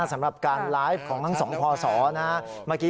สำหรับการไลฟ์ของทั้งสองพศเมื่อกี้